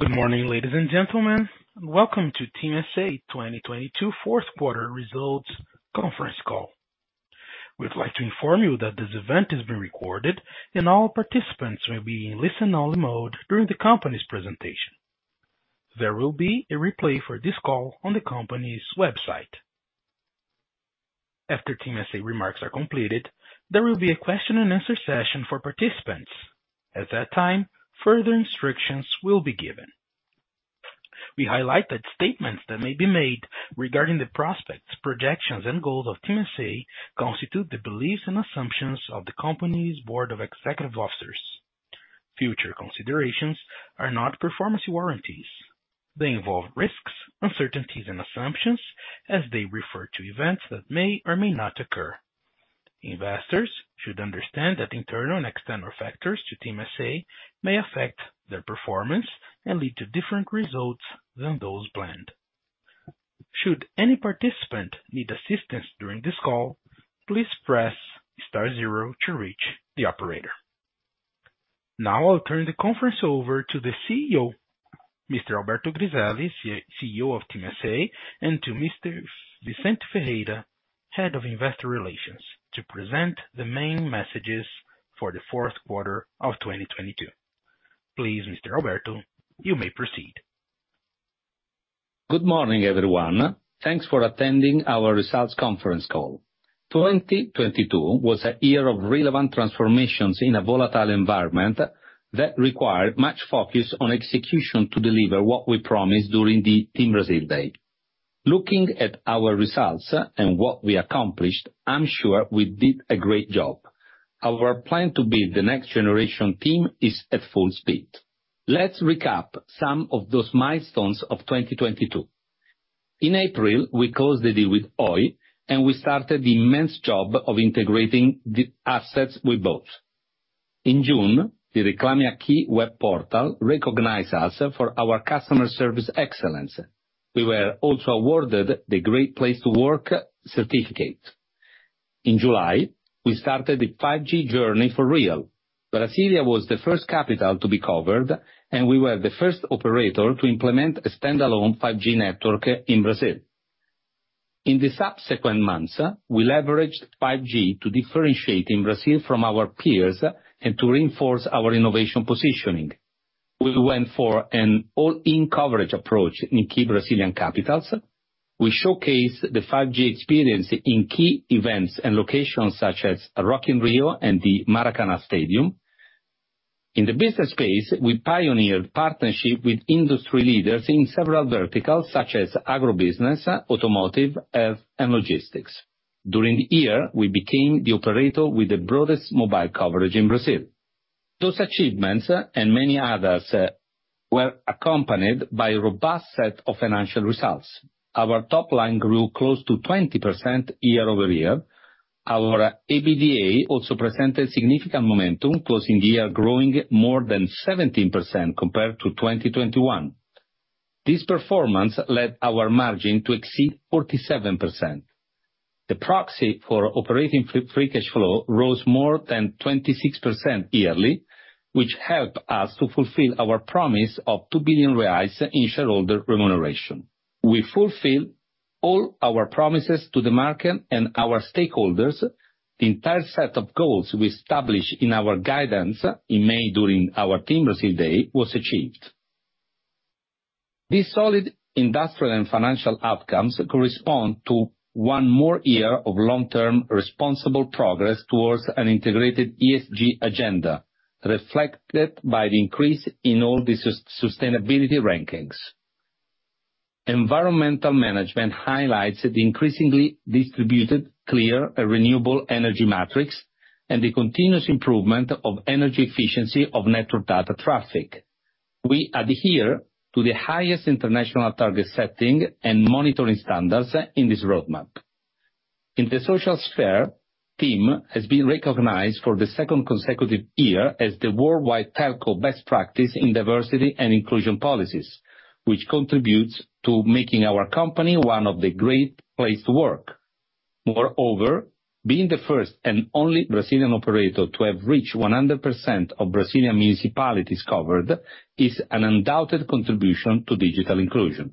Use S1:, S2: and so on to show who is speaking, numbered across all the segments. S1: Good morning, ladies and gentlemen. Welcome to TIM SA 2022 Q4 results conference call. We'd like to inform you that this event is being recorded and all participants will be in listen only mode during the company's presentation. There will be a replay for this call on the company's website. After TIM SA remarks are completed, there will be a question and answer session for participants. At that time, further instructions will be given. We highlight that statements that may be made regarding the prospects, projections and goals of TIM SA constitute the beliefs and assumptions of the company's board of executive officers. Future considerations are not performance warranties. They involve risks, uncertainties and assumptions as they refer to events that may or may not occur. Investors should understand that internal and external factors to TIM SA may affect their performance and lead to different results than those planned. Should any participant need assistance during this call, please press star zero to reach the operator. I'll turn the conference over to the CEO, Mr. Alberto Griselli, CEO of TIM SA, and to Mr. Vicente Ferreira, Head Investor Relations, to present the main messages for the Q4 of 2022. Please, Mr. Alberto, you may proceed.
S2: Good morning, everyone. Thanks for attending our results conference call. 2022 was a year of relevant transformations in a volatile environment that required much focus on execution to deliver what we promised during the TIM Brazil Day. Looking at our results and what we accomplished, I'm sure we did a great job. Our plan to build the next generation TIM is at full speed. Let's recap some of those milestones of 2022. In April, we closed the deal with Oi. We started the immense job of integrating the assets we bought. In June, the Reclame AQUI web portal recognized us for our customer service excellence. We were also awarded the Great Place To Work certificate. In July, we started the 5G journey for real. Brasília was the first capital to be covered. We were the first operator to implement a standalone 5G network in Brazil. In the subsequent months, we leveraged 5G to differentiate in Brazil from our peers and to reinforce our innovation positioning. We went for an all-in coverage approach in key Brazilian capitals. We showcased the 5G experience in key events and locations such as Rock in Rio and the Maracanã Stadium. In the business space, we pioneered partnership with industry leaders in several verticals such as agro business, automotive, health and logistics. During the year, we became the operator with the broadest mobile coverage in Brazil. Those achievements, and many others, were accompanied by a robust set of financial results. Our top line grew close to 20% year-over-year. Our EBITDA also presented significant momentum, closing the year growing more than 17% compared to 2021. This performance led our margin to exceed 47%. The proxy for operating free cash flow rose more than 26% yearly, which helped us to fulfill our promise of 2 billion reais in shareholder remuneration. We fulfill all our promises to the market and our stakeholders. The entire set of goals we established in our guidance in May during our TIM Brazil Day was achieved. These solid industrial and financial outcomes correspond to one more year of long-term responsible progress towards an integrated ESG agenda, reflected by the increase in all the sustainability rankings. Environmental management highlights the increasingly distributed clear and renewable energy metrics and the continuous improvement of energy efficiency of network data traffic. We adhere to the highest international target setting and monitoring standards in this roadmap. In the social sphere, TIM has been recognized for the second consecutive year as the worldwide telco best practice in diversity and inclusion policies, which contributes to making our company one of the Great Place To Work. Being the first and only Brazilian operator to have reached 100% of Brazilian municipalities covered is an undoubted contribution to digital inclusion.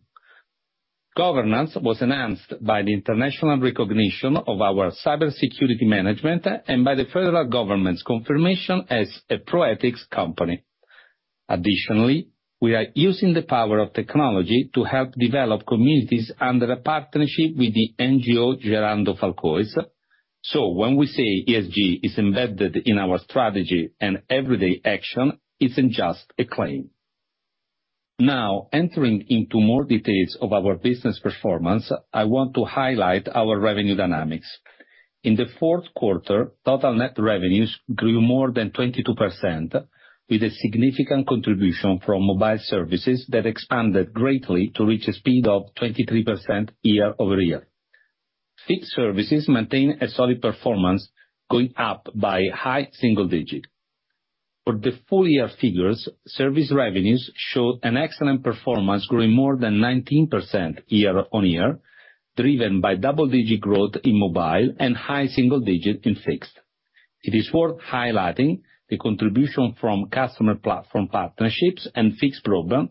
S2: Governance was enhanced by the international recognition of our cybersecurity management and by the federal government's confirmation as a pro-ethics company. Additionaly, we are using the power of technology to help develop communities under a partnership with the NGO Gerando Falcões. When we say ESG is embedded in our strategy and everyday action, it isn't just a claim. Now entering into more details of our business performance, I want to highlight our revenue dynamics. In the Q4, total net revenues grew more than 22% with a significant contribution from mobile services that expanded greatly to reach a speed of 23% year-over-year. Fixed services maintain a solid performance going up by high single digit. For the full year figures, service revenues show an excellent performance growing more than 19% year-on-year, driven by double digit growth in mobile and high single digit in fixed. It is worth highlighting the contribution from customer platform partnerships and fixed program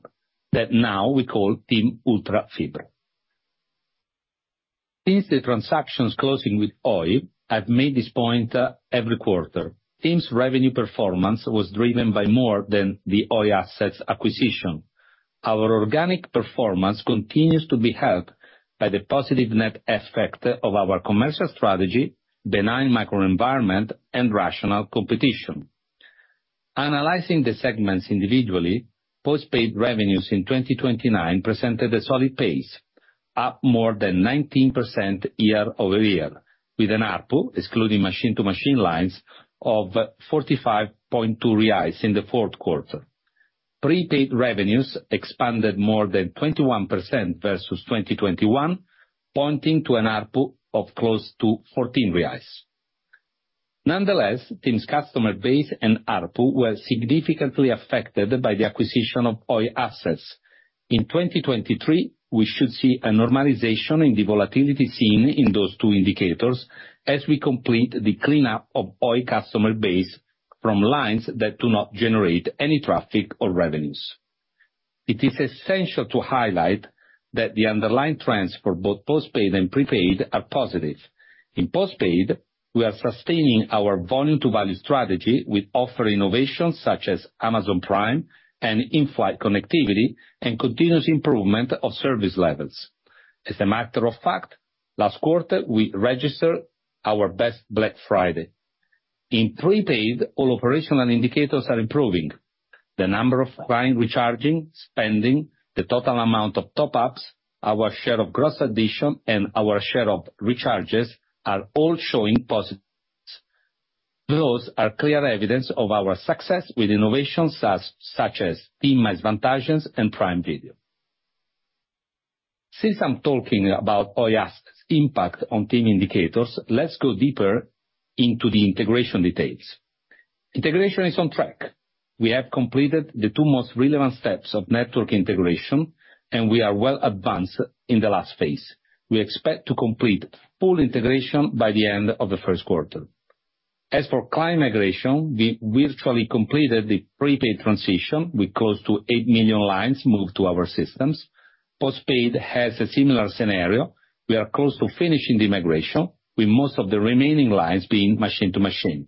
S2: that now we call TIM UltraFibra. Since the transactions closing with Oi, I've made this point every quarter. TIM's revenue performance was driven by more than the Oi assets acquisition. Our organic performance continues to be helped by the positive net effect of our commercial strategy, benign microenvironment, and rational competition. Analyzing the segments individually, postpaid revenues in 2029 presented a solid pace, up more than 19% year-over-year, with an ARPU excluding machine to machine lines of 45.2 reais in the Q4. Prepaid revenues expanded more than 21% versus 2021, pointing to an ARPU of close to 14 reais. TIM's customer base and ARPU were significantly affected by the acquisition of Oi assets. In 2023, we should see a normalization in the volatility seen in those two indicators as we complete the cleanup of Oi customer base from lines that do not generate any traffic or revenues. It is essential to highlight that the underlying trends for both postpaid and prepaid are positive. In postpaid, we are sustaining our volume to value strategy with offer innovations such as Amazon Prime and in-flight connectivity and continuous improvement of service levels. As a matter of fact, last quarter we registered our best Black Friday. In prepaid, all operational indicators are improving. The number of client recharging, spending, the total amount of top ups, our share of gross addition, and our share of recharges are all showing positives. Those are clear evidence of our success with innovations such as TIM Mais Vantagens and Prime Video. Since I'm talking about Oi assets impact on TIM indicators, let's go deeper into the integration details. Integration is on track. We have completed the two most relevant steps of network integration, and we are well advanced in the last phase. We expect to complete full integration by the end of the Q1. As for client migration, we virtually completed the prepaid transition with close to 8 million lines moved to our systems. Postpaid has a similar scenario. We are close to finishing the migration with most of the remaining lines being machine to machine.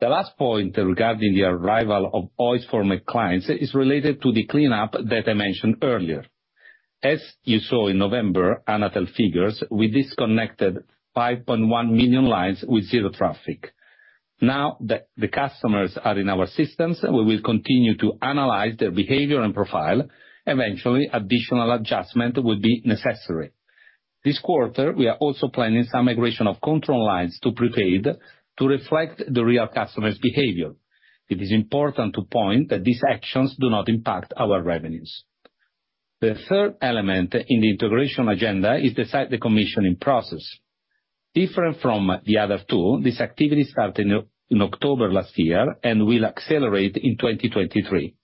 S2: The last point regarding the arrival of Oi's former clients is related to the cleanup that I mentioned earlier. As you saw in November, Anatel figures, we disconnected 5.1 million lines with zero traffic. Now that the customers are in our systems, we will continue to analyze their behavior and profile. Eventually, additional adjustment will be necessary. This quarter, we are also planning some migration of control lines to prepaid to reflect the real customer's behavior. It is important to point that these actions do not impact our revenues. The third element in the integration agenda is the site decommission in process. Different from the other two, this activity started in October last year and will accelerate in 2023,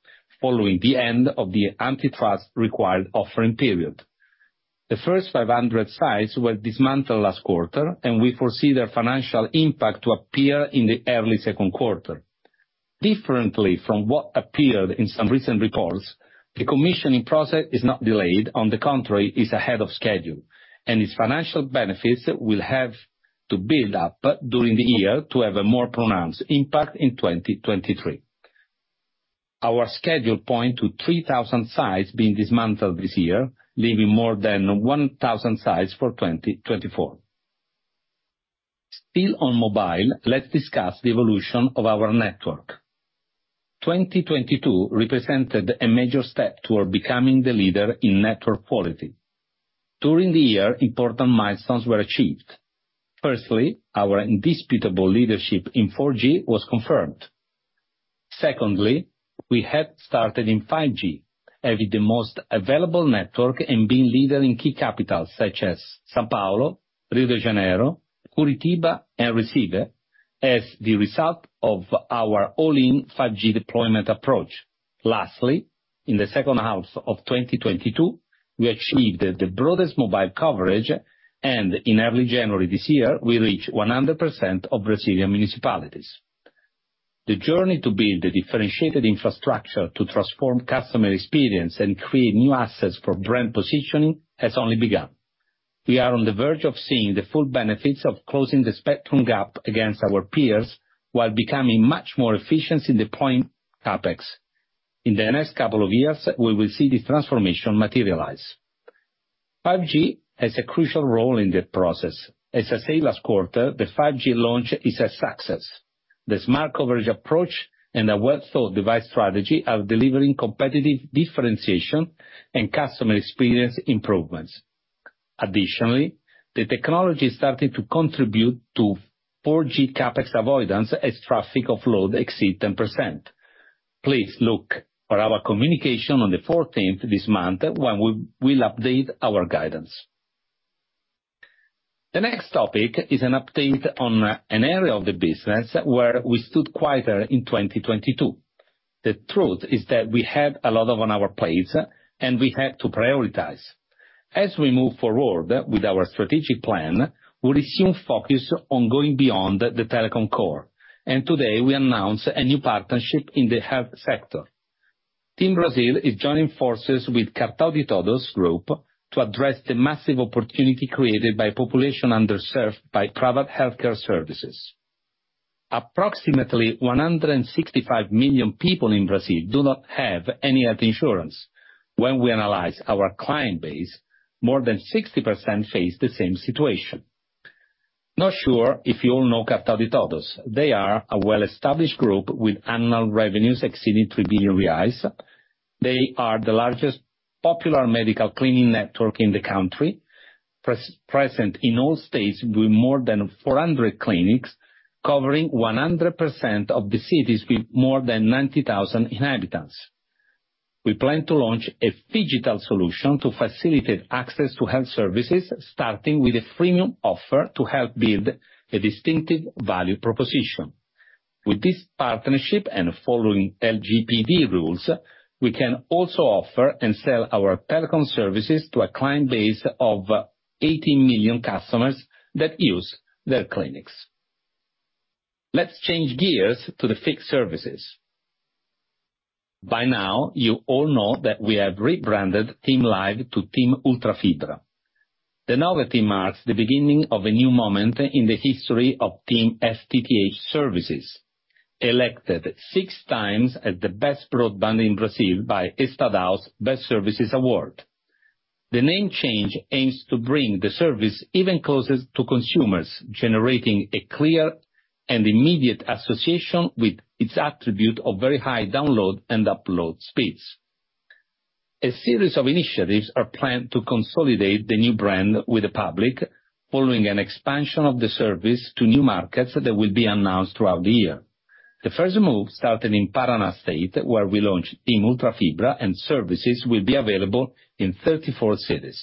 S2: following the end of the antitrust required offering period. The first 500 sites were dismantled last quarter. We foresee their financial impact to appear in the early Q2. Differently from what appeared in some recent reports, the commissioning process is not delayed. On the contrary, it's ahead of schedule. Its financial benefits will have to build up during the year to have a more pronounced impact in 2023. Our schedule point to 3,000 sites being dismantled this year, leaving more than 1,000 sites for 2024. Still on mobile, let's discuss the evolution of our network. 2022 represented a major step toward becoming the leader in network quality. During the year, important milestones were achieved. Firstly, our indisputable leadership in 4G was confirmed. We had started in 5G, having the most available network and being leader in key capitals such as São Paulo, Rio de Janeiro, Curitiba, and Recife as the result of our all-in 5G deployment approach. In the second half of 2022, we achieved the broadest mobile coverage, and in early January this year, we reached 100% of Brazilian municipalities. The journey to build a differentiated infrastructure to transform customer experience and create new assets for brand positioning has only begun. We are on the verge of seeing the full benefits of closing the spectrum gap against our peers while becoming much more efficient in deploying CapEx. In the next couple of years, we will see the transformation materialize. 5G has a crucial role in the process. As I said last quarter, the 5G launch is a success. The smart coverage approach and a well-thought device strategy are delivering competitive differentiation and customer experience improvements. Additionally, the technology is starting to contribute to 4G CapEx avoidance as traffic offload exceed 10%. Please look for our communication on the 14th this month when we will update our guidance. The next topic is an update on an area of the business where we stood quieter in 2022. The truth is that we have a lot on our plates, and we have to prioritize. As we move forward with our strategic plan, we assume focus on going beyond the telecom core. Today, we announce a new partnership in the health sector. TIM Brasil is joining forces with Cartão de TODOS group to address the massive opportunity created by population underserved by private healthcare services. Approximately 165 million people in Brazil do not have any health insurance. When we analyze our client base, more than 60% face the same situation. Not sure if you all know Cartão de TODOS. They are a well-established group with annual revenues exceeding 3 billion reais. They are the largest popular medical clinic network in the country, present in all states with more than 400 clinics, covering 100% of the cities with more than 90,000 inhabitants. We plan to launch a phygital solution to facilitate access to health services, starting with a freemium offer to help build a distinctive value proposition. With this partnership and following LGPD rules, we can also offer and sell our telecom services to a client base of 18 million customers that use their clinics. Let's change gears to the fixed services. By now, you all know that we have rebranded TIM Live to TIM UltraFibra. The novelty marks the beginning of a new moment in the history of TIM FTTH services, elected six times as the best broadband in Brazil by Estadão Best Services Award. The name change aims to bring the service even closer to consumers, generating a clear and immediate association with its attribute of very high download and upload speeds. A series of initiatives are planned to consolidate the new brand with the public, following an expansion of the service to new markets that will be announced throughout the year. The first move started in Paraná State, where we launched TIM UltraFibra, and services will be available in 34 cities.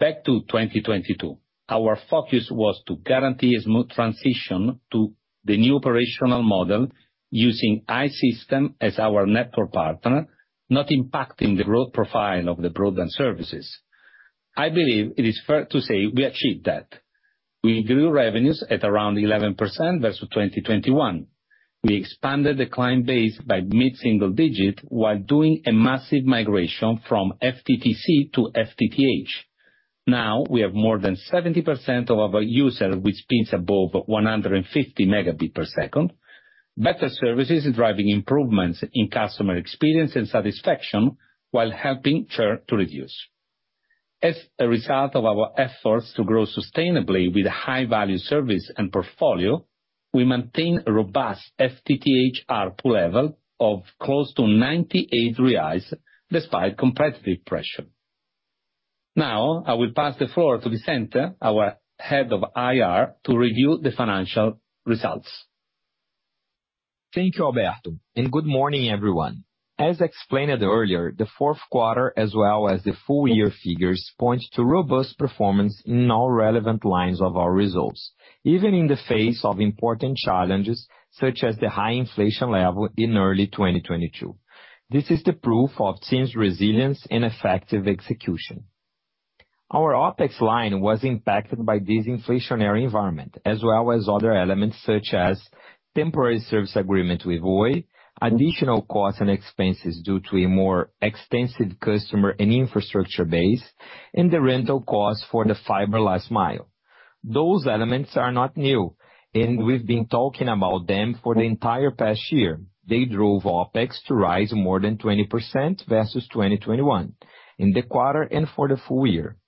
S2: Back to 2022, our focus was to guarantee a smooth transition to the new operational model using I-Systems as our network partner, not impacting the growth profile of the broadband services. I believe it is fair to say we achieved that. We grew revenues at around 11% versus 2021. We expanded the client base by mid-single digit while doing a massive migration from FTTC to FTTH. Now, we have more than 70% of our user with speeds above 150 Mbps. Better services driving improvements in customer experience and satisfaction while helping churn to reduce. As a result of our efforts to grow sustainably with a high-value service and portfolio, we maintain a robust FTTH ARPU level of close to 98 reais despite competitive pressure. Now, I will pass the floor to Vicente, our head of IR, to review the financial results.
S3: Thank you, Alberto. Good morning, everyone. As explained earlier, the Q4 as well as the full year figures point to robust performance in all relevant lines of our results, even in the face of important challenges, such as the high inflation level in early 2022. This is the proof of TIM's resilience and effective execution. Our OpEx line was impacted by this inflationary environment, as well as other elements such as temporary service agreement with Oi, additional costs and expenses due to a more extensive customer and infrastructure base, and the rental cost for the fiber last mile. Those elements are not new, and we've been talking about them for the entire past year. They drove OpEx to rise more than 20% versus 2021 in the quarter and for the full year.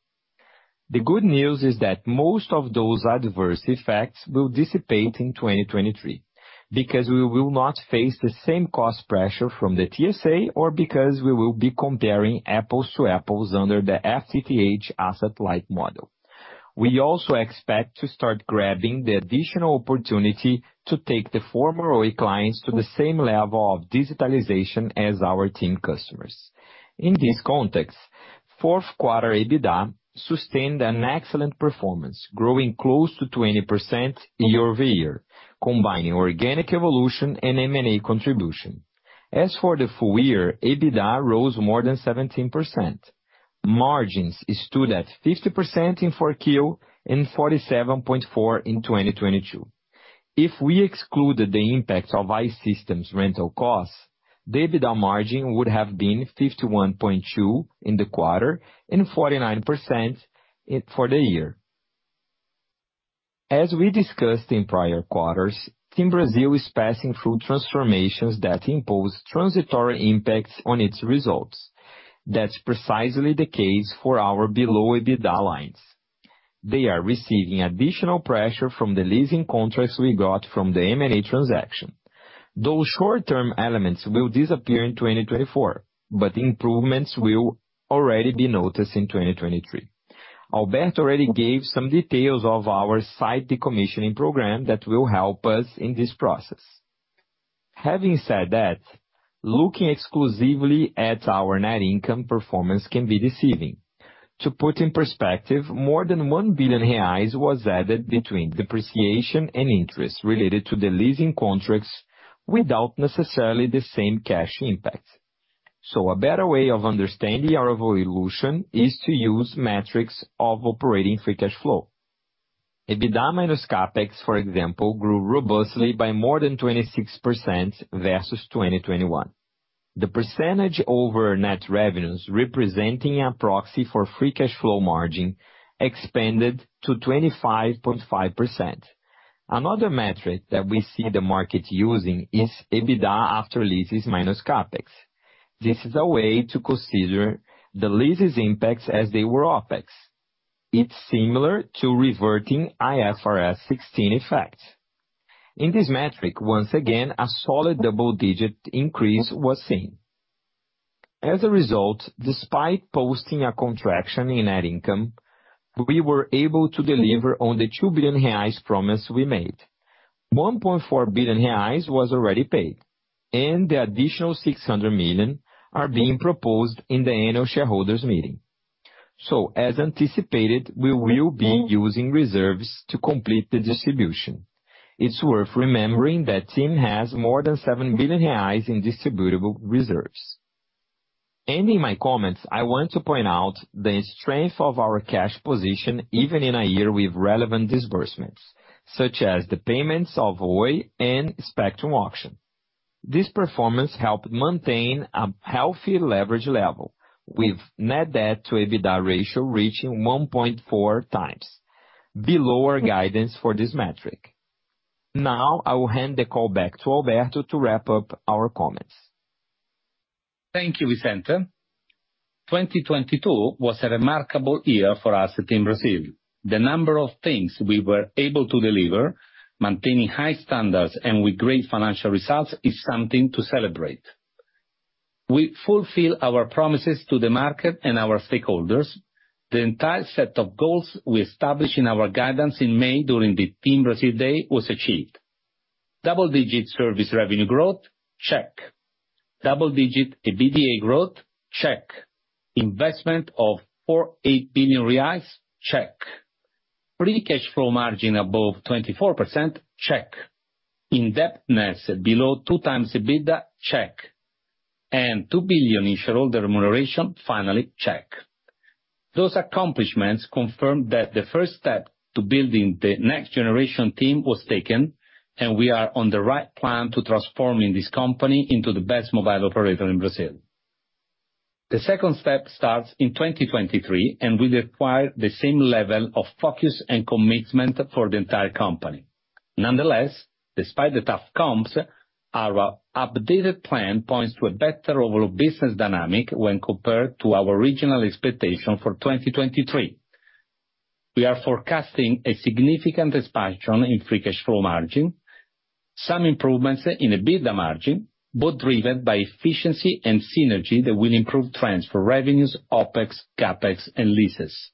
S3: The good news is that most of those adverse effects will dissipate in 2023, because we will not face the same cost pressure from the TSA or because we will be comparing apples to apples under the FTTH asset light model. We also expect to start grabbing the additional opportunity to take the former Oi clients to the same level of digitalization as our TIM customers. In this context, Q4 EBITDA sustained an excellent performance, growing close to 20% year-over-year, combining organic evolution and M&A contribution. As for the full year, EBITDA rose more than 17%. Margins stood at 50% in Q4 and 47.4% in 2022. If we excluded the impact of I-Systems rental costs, the EBITDA margin would have been 51.2% in the quarter and 49% for the year. As we discussed in prior quarters, TIM Brasil is passing through transformations that impose transitory impacts on its results. That's precisely the case for our below EBITDA lines. They are receiving additional pressure from the leasing contracts we got from the M&A transaction. Those short-term elements will disappear in 2024, but improvements will already be noticed in 2023. Alberto already gave some details of our site decommissioning program that will help us in this process. Having said that, looking exclusively at our net income performance can be deceiving. To put in perspective, more than 1 billion reais was added between depreciation and interest related to the leasing contracts without necessarily the same cash impact. A better way of understanding our evolution is to use metrics of operating free cash flow. EBITDA minus CapEx, for example, grew robustly by more than 26% versus 2021. The percentage over net revenues representing a proxy for free cash flow margin expanded to 25.5%. Another metric that we see the market using is EBITDA after leases minus CapEx. This is a way to consider the leases impacts as they were OpEx. It's similar to reverting IFRS 16 effects. In this metric, once again, a solid double-digit increase was seen. As a result, despite posting a contraction in net income, we were able to deliver on the 2 billion reais promise we made. 1.4 billion reais was already paid, and the additional 600 million are being proposed in the annual shareholders meeting. As anticipated, we will be using reserves to complete the distribution. It's worth remembering that TIM has more than 7 billion reais in distributable reserves. Ending my comments, I want to point out the strength of our cash position, even in a year with relevant disbursements, such as the payments of Oi and spectrum auction. This performance helped maintain a healthy leverage level, with net debt to EBITDA ratio reaching 1.4x, below our guidance for this metric. I will hand the call back to Alberto to wrap up our comments.
S2: Thank you, Vicente. 2022 was a remarkable year for us at TIM Brasil. The number of things we were able to deliver, maintaining high standards and with great financial results, is something to celebrate. We fulfill our promises to the market and our stakeholders. The entire set of goals we established in our guidance in May during the TIM Brazil Day was achieved. Double-digit service revenue growth, check. Double-digit EBITDA growth, check. Investment of 4.8 billion reais, check. Free cash flow margin above 24%, check. Indebtedness below 2x EBITDA, check. 2 billion in shareholder remuneration, finally, check. Those accomplishments confirm that the first step to building the next generation TIM was taken, and we are on the right plan to transforming this company into the best mobile operator in Brasil. The second step starts in 2023 and will require the same level of focus and commitment for the entire company. Despite the tough comps, our updated plan points to a better overall business dynamic when compared to our original expectation for 2023. We are forecasting a significant expansion in free cash flow margin, some improvements in EBITDA margin, both driven by efficiency and synergy that will improve trends for revenues, OpEx, CapEx and leases.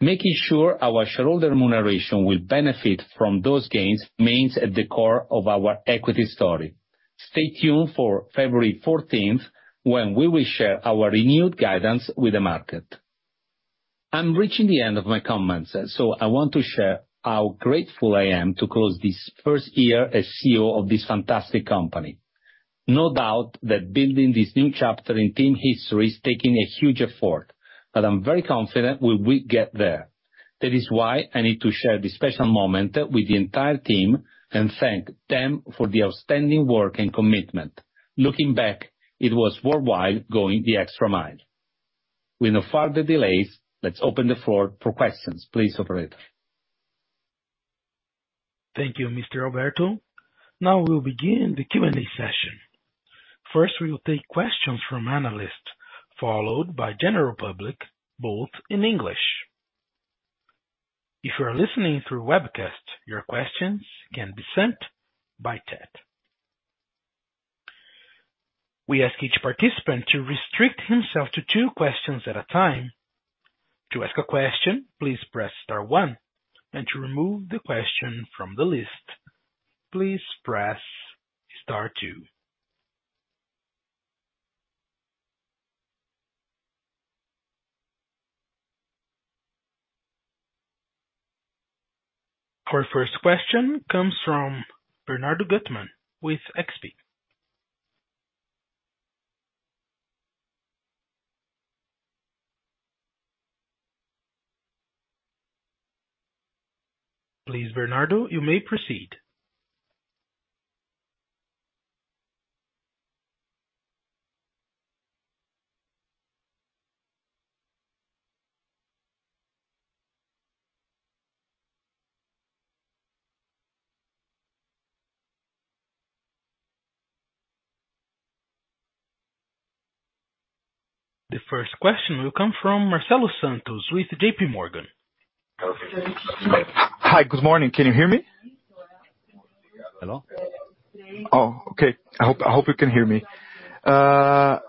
S2: Making sure our shareholder remuneration will benefit from those gains remains at the core of our equity story. Stay tuned for February 14th when we will share our renewed guidance with the market. I'm reaching the end of my comments, I want to share how grateful I am to close this first year as CEO of this fantastic company. No doubt that building this new chapter in TIM history is taking a huge effort, I'm very confident we will get there. That is why I need to share this special moment with the entire team and thank them for the outstanding work and commitment. Looking back, it was worthwhile going the extra mile. With no further delays, let's open the floor for questions. Please, operator.
S1: Thank you, Mr. Alberto. We'll begin the Q&A session. First, we will take questions from analysts, followed by general public, both in English. If you are listening through webcast, your questions can be sent by chat. We ask each participant to restrict himself to two questions at a time. To ask a question, please press star one. To remove the question from the list, please press star two. Our first question comes from Bernardo Guttmann with XP. Please, Bernardo, you may proceed. The first question will come from Marcelo Santos with J.P. Morgan.
S4: Hi, good morning. Can you hear me?
S2: Hello?
S4: Oh, okay. I hope you can hear me. The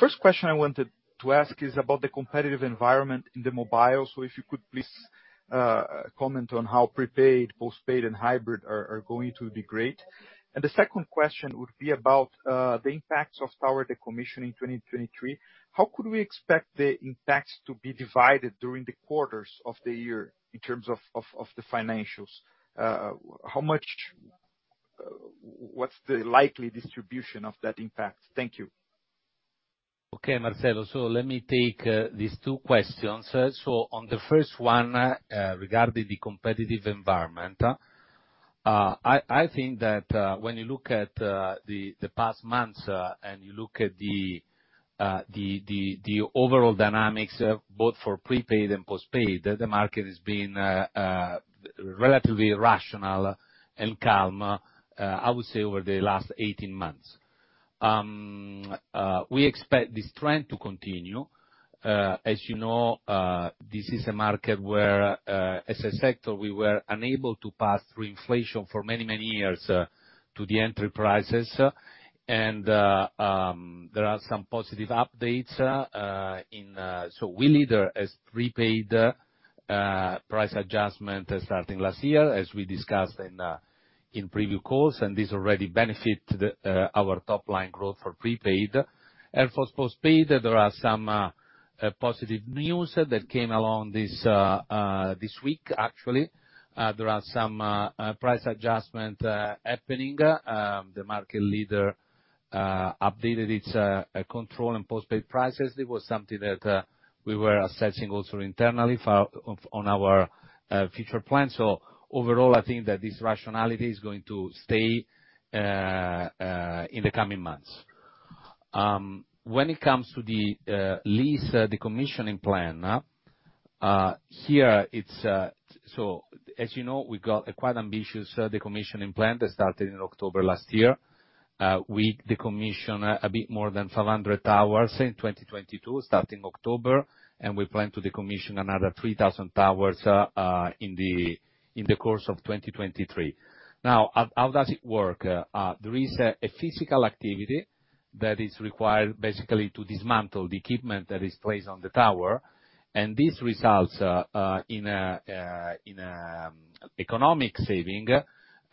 S4: first question I wanted to ask is about the competitive environment in the mobile. If you could please comment on how prepaid, postpaid, and hybrid are going to degrade. The second question would be about the impacts of tower decommissioning 2023. How could we expect the impacts to be divided during the quarters of the year in terms of the financials? How much... What's the likely distribution of that impact? Thank you.
S2: Okay, Marcelo, let me take these two questions. On the first one, regarding the competitive environment, I think that when you look at the past months, and you look at the overall dynamics, both for prepaid and postpaid, the market has been relatively rational and calm, I would say, over the last 18 months. We expect this trend to continue. As you know, this is a market where as a sector, we were unable to pass through inflation for many, many years to the end prices. There are some positive updates in... We lead as prepaid, price adjustment starting last year, as we discussed in preview calls, and these already benefit the our top line growth for prepaid. For postpaid, there are some positive news that came along this week, actually. There are some price adjustment happening. The market leader updated its control and postpaid prices. It was something that we were assessing also internally on our future plans. Overall, I think that this rationality is going to stay in the coming months. When it comes to the lease decommissioning plan, here, it's. As you know, we've got a quite ambitious decommissioning plan that started in October last year. We decommission a bit more than 500 towers in 2022, starting October. We plan to decommission another 3,000 towers in the course of 2023. How does it work? There is a physical activity that is required basically to dismantle the equipment that is placed on the tower. This results in an economic saving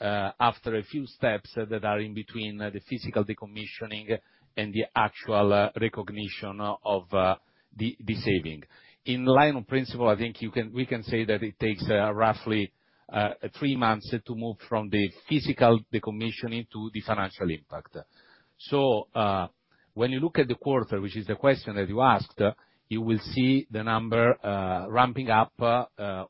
S2: after a few steps that are in between the physical decommissioning and the actual recognition of the saving. In line of principle, I think we can say that it takes roughly three months to move from the physical decommissioning to the financial impact. When you look at the quarter, which is the question that you asked, you will see the number ramping up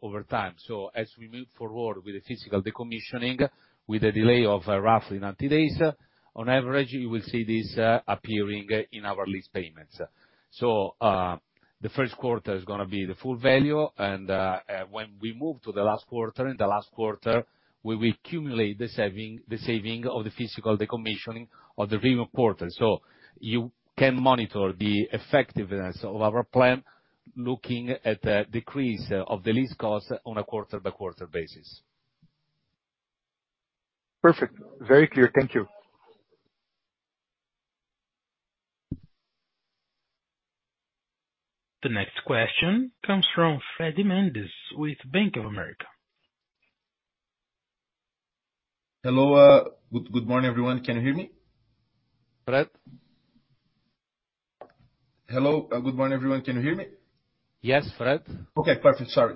S2: over time. As we move forward with the physical decommissioning, with a delay of roughly 90 days, on average, you will see this appearing in our lease payments. The Q1 is gonna be the full value and when we move to the last quarter, in the last quarter, we will accumulate the saving of the physical decommissioning of the previous quarter. You can monitor the effectiveness of our plan looking at the decrease of the lease cost on a quarter-by-quarter basis.
S4: Perfect. Very clear. Thank you.
S1: The next question comes from Fred Mendes with Bank of America.
S5: Hello. good morning, everyone. Can you hear me?
S2: Fred?
S5: Hello. Good morning, everyone. Can you hear me?
S2: Yes, Fred.
S5: Okay, perfect. Sorry.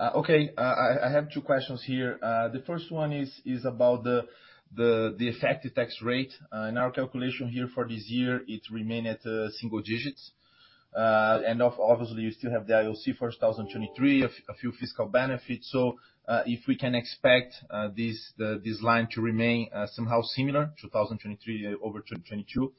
S5: Okay, I have two questions here. The first one is about the effective tax rate. In our calculation here for this year, it remain at single digits. Obviously you still have the IOC for 2023, a few fiscal benefits. If we can expect this line to remain somehow similar, 2023 over 2022?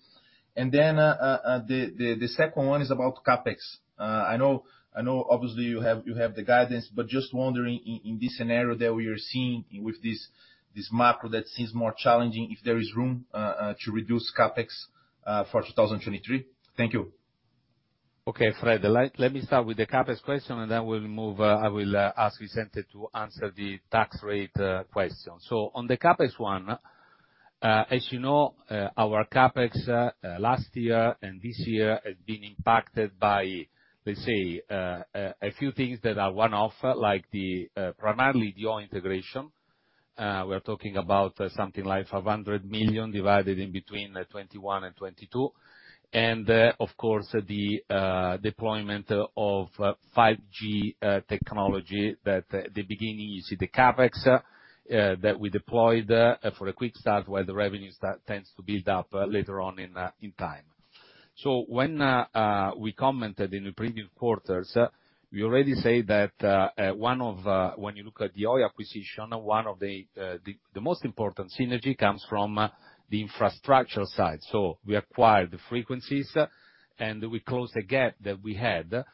S5: The second one is about CapEx. I know obviously you have the guidance, but just wondering in this scenario that we are seeing with this macro that seems more challenging, if there is room to reduce CapEx for 2023? Thank you.
S2: Okay, Fred. Let me start with the CapEx question. We'll move, I will ask Vicente to answer the tax rate question. On the CapEx one, as you know, our CapEx last year and this year has been impacted by, let's say, a few things that are one-off, like the primarily the Oi integration. We're talking about something like 500 million divided in between 2021 and 2022. Of course, the deployment of 5G technology that at the beginning, you see the CapEx that we deployed for a quick start, while the revenues that tends to build up later on in time. When we commented in the previous quarters, we already say that one of, when you look at the Oi acquisition, one of the most important synergy comes from the infrastructural side. We acquired the frequencies, and we closed a gap that we had.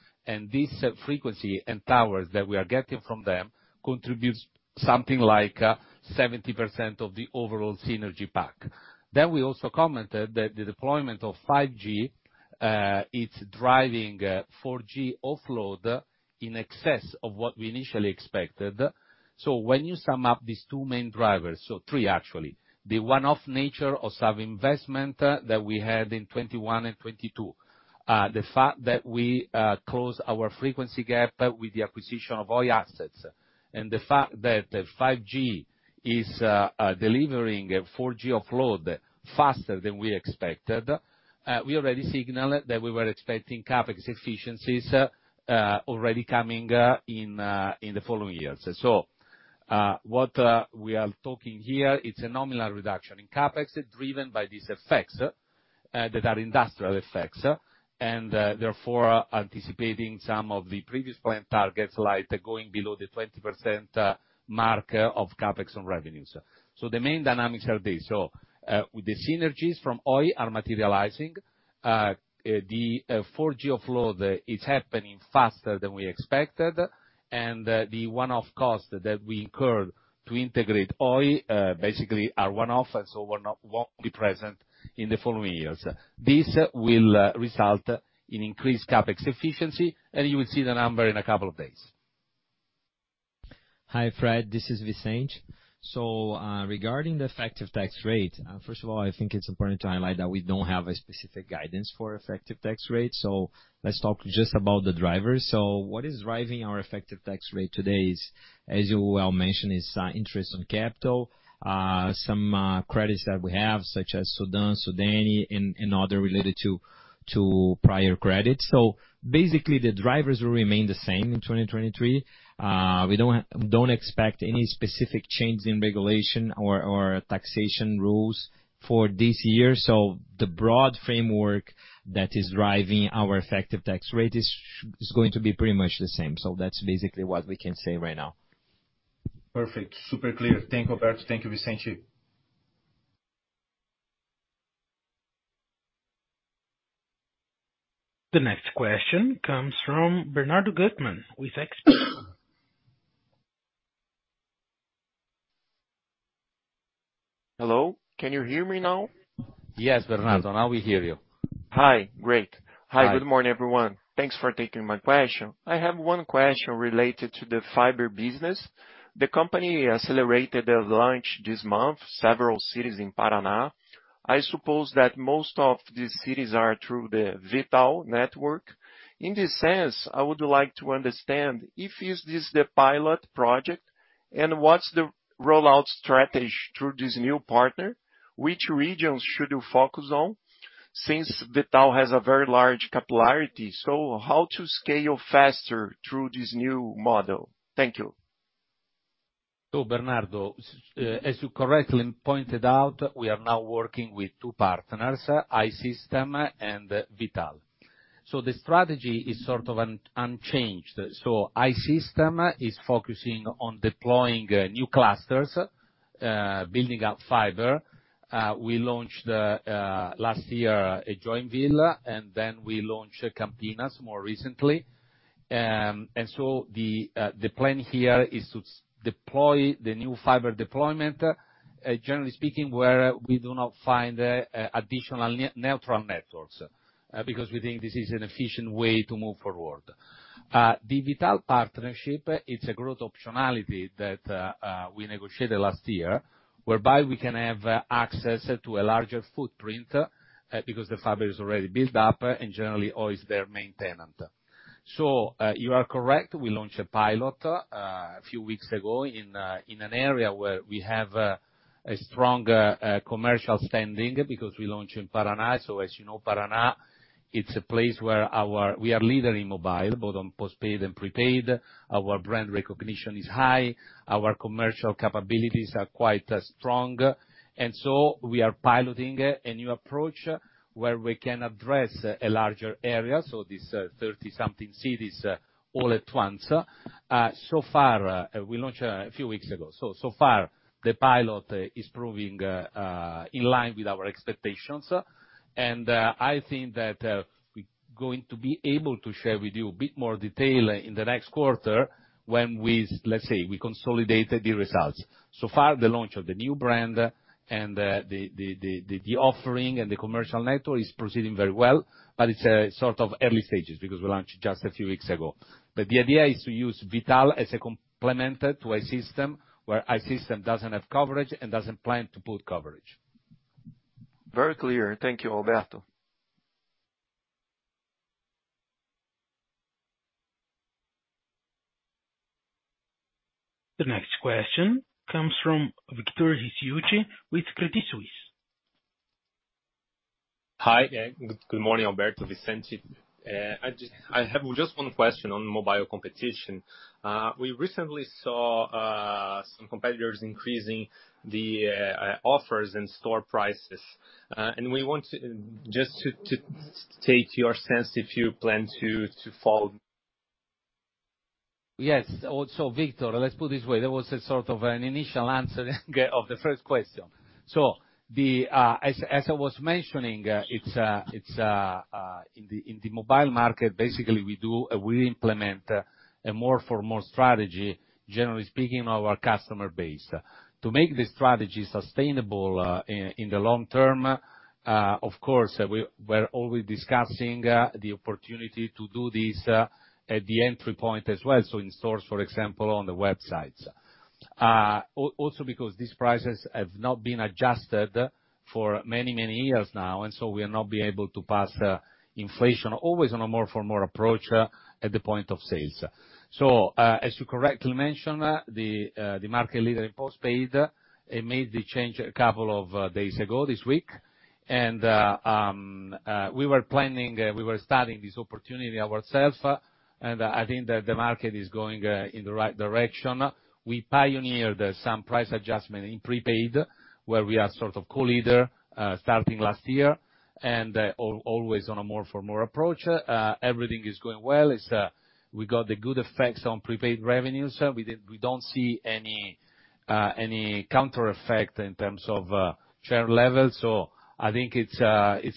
S2: This frequency and towers that we are getting from them contributes something like 70% of the overall synergy pack. We also commented that the deployment of 5G, it's driving 4G offload in excess of what we initially expected. When you sum up these two main drivers... Three actually, the one-off nature of some investment that we had in 2021 and 2022, the fact that we closed our frequency gap with the acquisition of Oi assets, and the fact that 5G is delivering a 4G offload faster than we expected, we already signaled that we were expecting CapEx efficiencies already coming in the following years. What we are talking here, it's a nominal reduction in CapEx driven by these effects that are industrial effects, and therefore anticipating some of the previous planned targets, like going below the 20% mark of CapEx on revenues. The main dynamics are these. The synergies from Oi are materializing. The 4G offload is happening faster than we expected. The one-off costs that we incurred to integrate Oi basically are one-off, so won't be present in the following years. This will result in increased CapEx efficiency. You will see the number in a couple of days.
S3: Hi, Fred, this is Vicente. Regarding the effective tax rate, first of all, I think it's important to highlight that we don't have a specific guidance for effective tax rate, so let's talk just about the drivers. What is driving our effective tax rate today is, as you well mentioned, is interest on capital, some credits that we have, such as SDAN, SDANI, and other related to prior credits. Basically, the drivers will remain the same in 2023. We don't expect any specific changes in regulation or taxation rules for this year. The broad framework that is driving our effective tax rate is going to be pretty much the same. That's basically what we can say right now.
S5: Perfect. Super clear. Thank, Alberto. Thank you, Vicente.
S1: The next question comes from Bernardo Guttmann with XP.
S6: Hello, can you hear me now?
S2: Yes, Bernardo, now we hear you.
S6: Hi. Great.
S2: Hi.
S6: Hi, good morning, everyone. Thanks for taking my question. I have one question related to the fiber business. The company accelerated the launch this month, several cities in Paraná. I suppose that most of these cities are through the V.tal network. In this sense, I would like to understand if is this the pilot project, and what's the rollout strategy through this new partner? Which regions should you focus on since V.tal has a very large capillarity? How to scale faster through this new model? Thank you.
S2: Bernardo, as you correctly pointed out, we are now working with two partners, I-Systems and V.tal. The strategy is sort of unchanged. I-Systems is focusing on deploying new clusters, building out fiber. We launched last year, Joinville, and then we launched Campinas more recently. The plan here is to deploy the new fiber deployment, generally speaking, where we do not find additional neutral networks, because we think this is an efficient way to move forward. The V.tal partnership, it's a growth optionality that we negotiated last year, whereby we can have access to a larger footprint, because the fiber is already built up and generally always their main tenant. You are correct, we launched a pilot a few weeks ago in an area where we have a strong commercial standing because we launch in Paraná. As you know, Paraná, it's a place where we are leader in mobile, both on postpaid and prepaid. Our brand recognition is high. Our commercial capabilities are quite strong. We are piloting a new approach where we can address a larger area, these 30-something cities all at once. So far, we launched a few weeks ago. So far, the pilot is proving in line with our expectations. I think that we're going to be able to share with you a bit more detail in the next quarter when we, let's say, we consolidated the results. Far, the launch of the new brand and the offering and the commercial network is proceeding very well, but it's sort of early stages because we launched just a few weeks ago. The idea is to use V.tal as a complement to I-Systems, where I-Systems doesn't have coverage and doesn't plan to put coverage.
S6: Very clear. Thank you, Alberto.
S1: The next question comes from Victor Ricciuti with Credit Suisse.
S7: Hi, good morning, Alberto, Vicente. I have just one question on mobile competition. We recently saw some competitors increasing the offers and store prices. We want to just to take your sense if you plan to follow.
S2: Yes. Victor, let's put it this way. There was a sort of an initial answer of the first question. The, as I was mentioning, it's in the mobile market, basically, we implement a more for more strategy, generally speaking, our customer base. To make this strategy sustainable in the long term, of course, we're always discussing the opportunity to do this at the entry point as well, so in stores, for example, on the websites. Also because these prices have not been adjusted for many, many years now, we'll not be able to pass inflation always on a more for more approach at the point of sales. As you correctly mentioned, the market leader in postpaid made the change a couple of days ago this week. We were planning, we were studying this opportunity ourselves, and I think that the market is going in the right direction. We pioneered some price adjustment in prepaid where we are sort of co-leader, starting last year, and always on a more for more approach. Everything is going well. It's. We got the good effects on prepaid revenues. We don't see any counter effect in terms of share levels. I think it's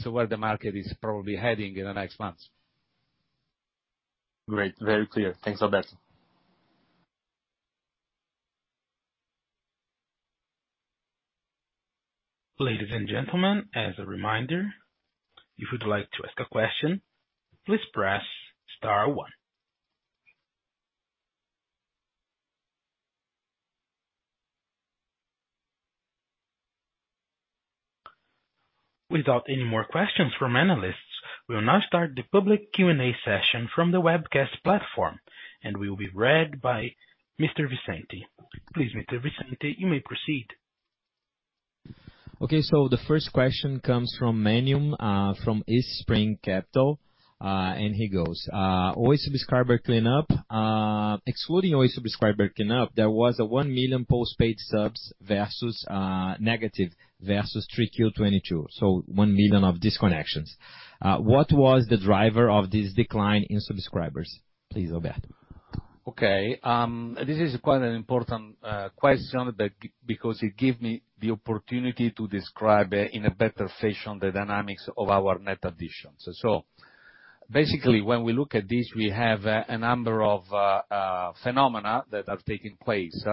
S2: where the market is probably heading in the next months.
S3: Great. Very clear. Thanks, Alberto.
S1: Ladies and gentlemen, as a reminder, if you'd like to ask a question, please press star one. Without any more questions from analysts, we'll now start the public Q&A session from the webcast platform, and will be read by Mr. Vicente. Please, Mr. Vicente, you may proceed.
S3: Okay. The first question comes from Manyun, from Eastspring Capital. He goes, Oi subscriber clean up. Excluding Oi subscriber clean up, there was a 1 million postpaid subs versus negative versus Q3 2022, so 1 million of disconnections. What was the driver of this decline in subscribers? Please, Alberto.
S2: Okay, this is quite an important question because it gives me the opportunity to describe in a better fashion the dynamics of our net additions. Basically when we look at this, we have a number of phenomena that have taken place.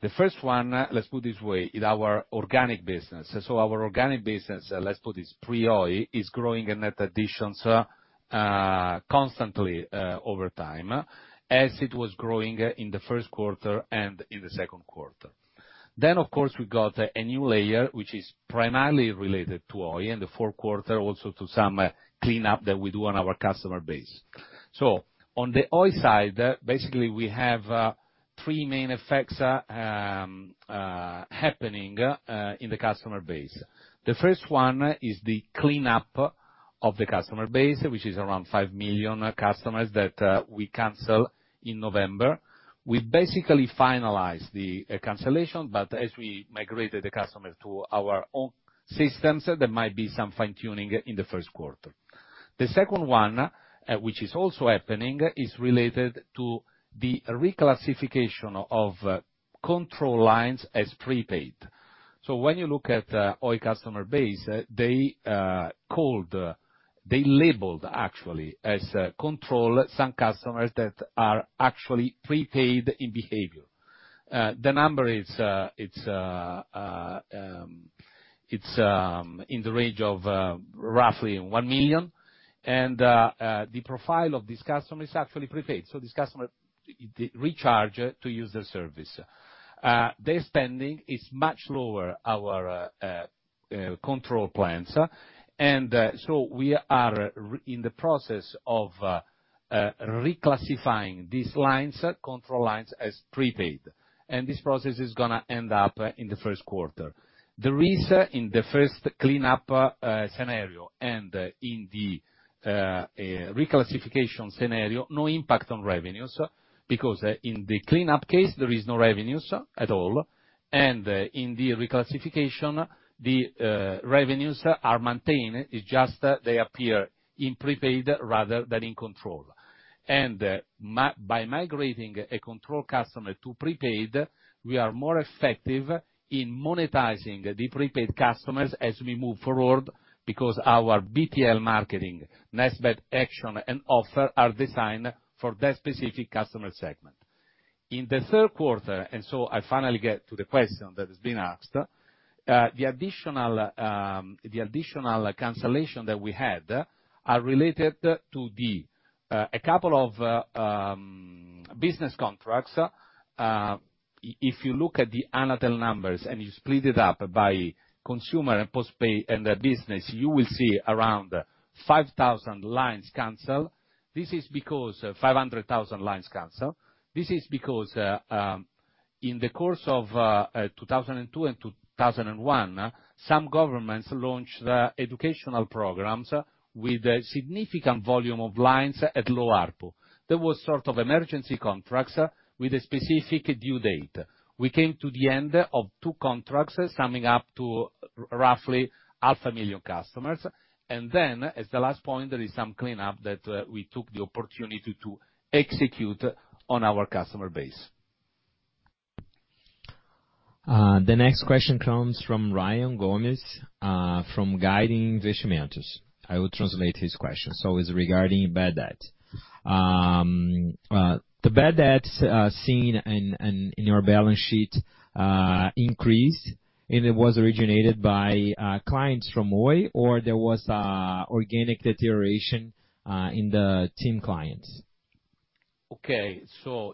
S2: The first one, let's put this way, in our organic business. Our organic business, let's put this pre-Oi, is growing in net additions constantly over time, as it was growing in the Q1 and in the Q2. Of course, we got a new layer which is primarily related to Oi in the Q4, also to some clean up that we do on our customer base. On the Oi side, basically we have three main effects happening in the customer base. The first one is the clean-up of the customer base, which is around 5 million customers that we cancel in November. We basically finalize the cancellation, but as we migrated the customers to our own systems, there might be some fine-tuning in the Q1. The second one, which is also happening, is related to the reclassification of control lines as prepaid. When you look at Oi customer base, they called, they labeled actually as control some customers that are actually prepaid in behavior. The number it's in the range of roughly 1 million. The profile of this customer is actually prepaid. This customer recharge to use the service. Their spending is much lower our control plans. We are in the process of reclassifying these lines, control lines as prepaid. This process is gonna end up in the Q1. There is in the first clean up scenario and in the reclassification scenario, no impact on revenues, because in the clean-up case, there is no revenues at all. In the reclassification, the revenues are maintained. It's just that they appear in prepaid rather than in control. By migrating a control customer to prepaid, we are more effective in monetizing the prepaid customers as we move forward because our BTL marketing, next best action and offer are designed for that specific customer segment. In the Q3, I finally get to the question that has been asked, the additional cancellation that we had are related to a couple of business contracts. If you look at the Anatel numbers and you split it up by consumer and postpaid and the business, you will see around 5,000 lines cancel. 500,000 lines cancel. This is because in the course of 2002 and 2001, some governments launched educational programs with a significant volume of lines at low ARPU. That was sort of emergency contracts with a specific due date. We came to the end of two contracts, summing up to roughly 500,000 customers. As the last point, there is some cleanup that we took the opportunity to execute on our customer base.
S3: The next question comes from Rayan Gomez from Guide Investimentos. I will translate his question. It's regarding bad debt. The bad debts seen in your balance sheet increased, and it was originated by clients from Oi or there was organic deterioration in the TIM clients
S2: Okay.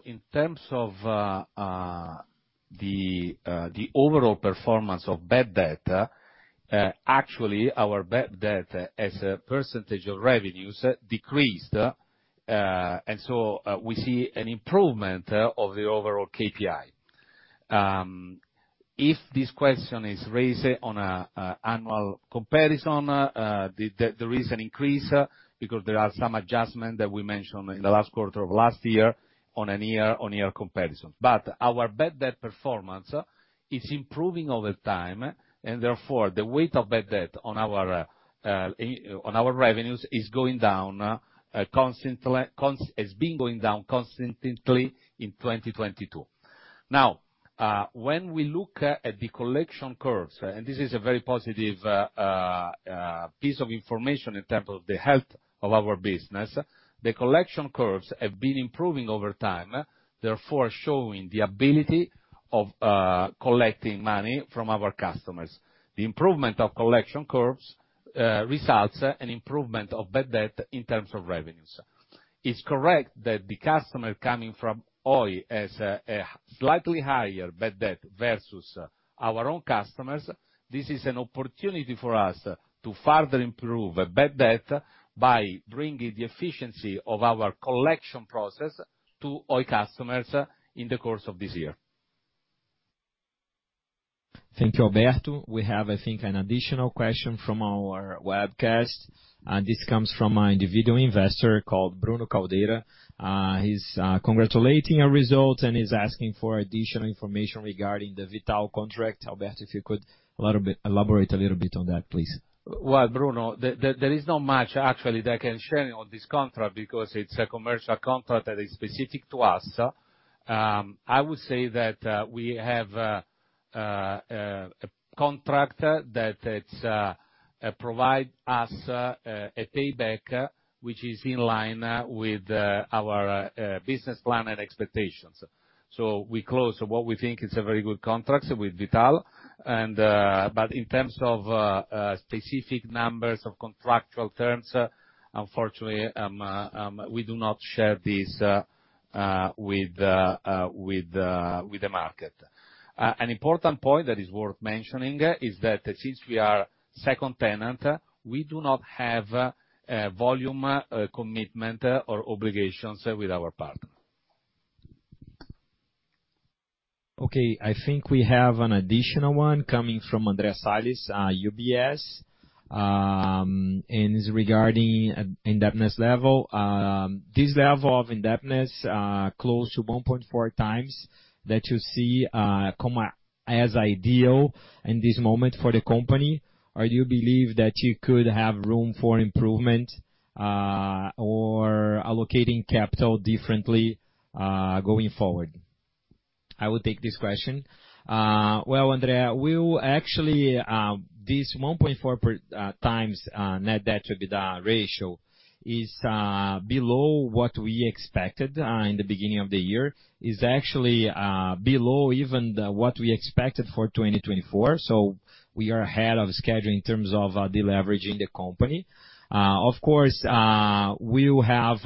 S2: In terms of the overall performance of bad debt, actually our bad debt as a percentage of revenues decreased. We see an improvement of the overall KPI. If this question is raised on an annual comparison, the there is an increase because there are some adjustments that we mentioned in the last quarter of last year on a year-on-year comparison. Our bad debt performance is improving over time and therefore, the weight of bad debt on our revenues is going down constantly. Has been going down constantly in 2022. When we look at the collection curves, and this is a very positive piece of information in terms of the health of our business. The collection curves have been improving over time, therefore showing the ability of collecting money from our customers. The improvement of collection curves results an improvement of bad debt in terms of revenues. It's correct that the customer coming from Oi has a slightly higher bad debt versus our own customers. This is an opportunity for us to further improve bad debt by bringing the efficiency of our collection process to Oi customers in the course of this year.
S3: Thank you, Alberto. We have, I think, an additional question from our webcast, and this comes from an individual investor called Bruno Caldera. He's congratulating your results and is asking for additional information regarding the V.tal contract. Alberto, if you could elaborate a little bit on that, please.
S2: Well, Bruno, there is not much actually that I can share on this contract because it's a commercial contract that is specific to us. I would say that we have a contract that it's provide us a payback, which is in line with our business plan and expectations. We close what we think is a very good contract with V.tal and, but in terms of specific numbers of contractual terms, unfortunately, we do not share this with the market. An important point that is worth mentioning is that since we are second tenant, we do not have volume commitment or obligations with our partner.
S3: Okay. I think we have an additional one coming from Andrea Salis, UBS, and it's regarding indebtedness level. This level of indebtedness, close to 1.4x that you see, come as ideal in this moment for the company or do you believe that you could have room for improvement or allocating capital differently, going forward? I will take this question. Well, Andrea, we will actually, this 1.4 per times net debt to EBITDA ratio is below what we expected in the beginning of the year. Is actually below even what we expected for 2024. We are ahead of schedule in terms of deleveraging the company. Of course, we will have,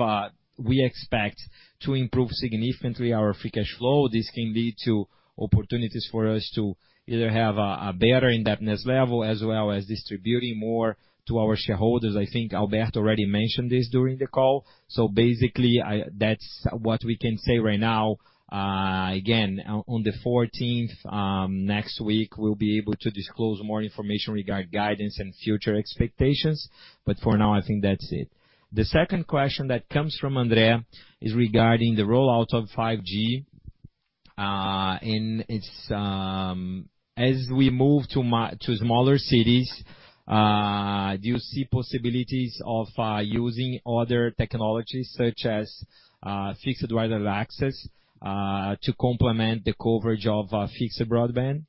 S3: we expect to improve significantly our free cash flow. This can lead to opportunities for us to either have a better indebtedness level as well as distributing more to our shareholders. I think Alberto already mentioned this during the call. Basically, that's what we can say right now. Again, on the 14th next week, we'll be able to disclose more information regard guidance and future expectations, but for now, I think that's it. The second question that comes from Andrea is regarding the rollout of 5G. And it's as we move to smaller cities, do you see possibilities of using other technologies such as fixed wireless access to complement the coverage of fixed broadband?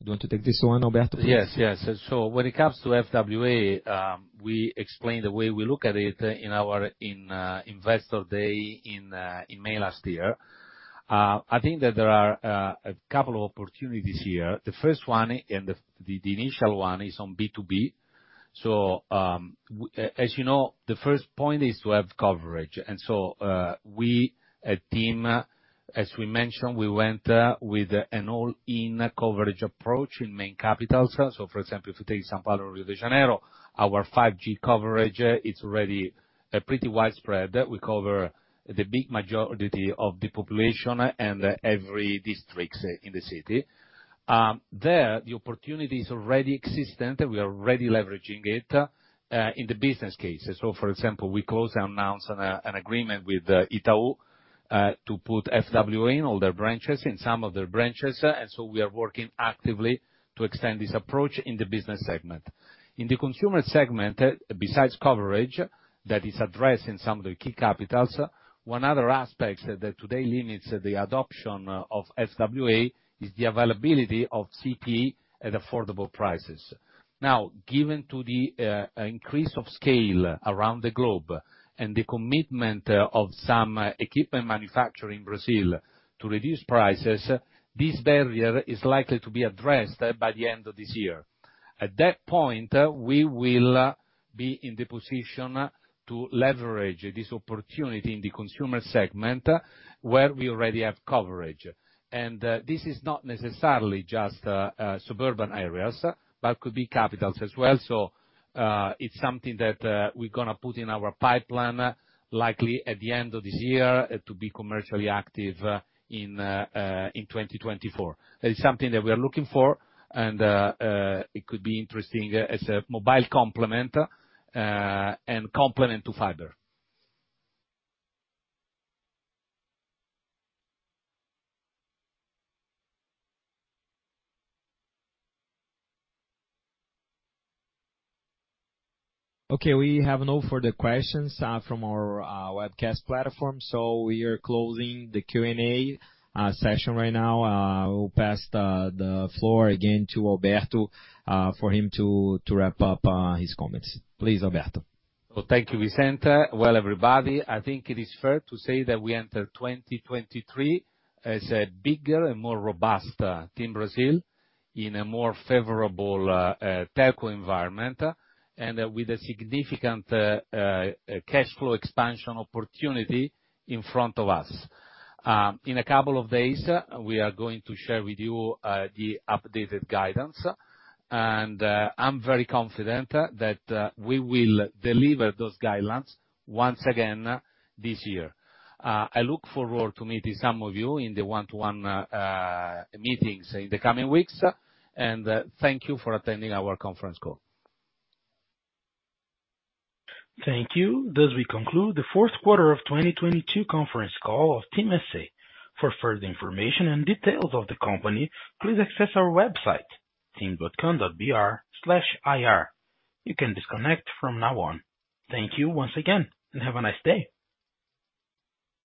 S3: Do you want to take this one, Alberto?
S2: Yes. Yes. When it comes to FWA, we explained the way we look at it in our investor day in May last year. I think that there are a couple of opportunities here. The first one and the initial one is on B2B. As you know, the first point is to have coverage. We at TIM, as we mentioned, we went with an all-in coverage approach in main capitals. For example, if you take São Paulo, Rio de Janeiro, our 5G coverage is already pretty widespread. We cover the big majority of the population and every districts in the city. There the opportunity is already existent. We are already leveraging it in the business cases. For example, we closed and announced an agreement with Itaú, to put FWA in all their branches, in some of their branches. We are working actively to extend this approach in the business segment. In the consumer segment, besides coverage that is addressed in some of the key capitals, one other aspects that today limits the adoption of FWA is the availability of CPE at affordable prices. Now, given to the increase of scale around the globe and the commitment of some equipment manufacturer in Brazil to reduce prices, this barrier is likely to be addressed by the end of this year. At that point, we will be in the position to leverage this opportunity in the consumer segment where we already have coverage. This is not necessarily just suburban areas, but could be capitals as well. It's something that we're gonna put in our pipeline, likely at the end of this year to be commercially active in 2024. That is something that we are looking for and it could be interesting as a mobile complement and complement to fiber.
S3: Okay. We have no further questions, from our, webcast platform. We are closing the Q&A session right now. I will pass the floor again to Alberto, for him to wrap up his comments. Please, Alberto.
S2: Thank you, Vicente. Everybody, I think it is fair to say that we enter 2023 as a bigger and more robust TIM Brasil in a more favorable telco environment, and with a significant cash flow expansion opportunity in front of us. In a couple of days, we are going to share with you the updated guidance. I'm very confident that we will deliver those guidelines once again this year. I look forward to meeting some of you in the one-to-one meetings in the coming weeks. Thank you for attending our conference call.
S1: Thank you. We conclude the Q4 of 2022 conference call of TIM SA For further information and details of the company, please access our website, tim.com.br/ir. You can disconnect from now on. Thank you once again, and have a nice day.